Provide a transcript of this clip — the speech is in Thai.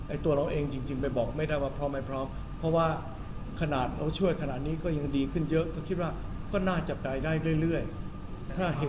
ตัวเราเองจริงไปบอกไม่ได้ว่าพร้อมไม่พร้อมเพราะว่าขนาดเราช่วยขนาดนี้ก็ยังดีขึ้นเยอะก็คิดว่าก็น่าจะไปได้เรื่อยถ้าเห็น